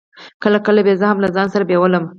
کله کله به يې زه هم له ځان سره بېولم.